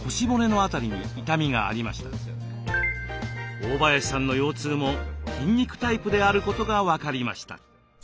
大林さんの腰痛も筋肉タイプであることが分かりました。